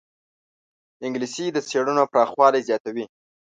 انګلیسي د څېړنو پراخوالی زیاتوي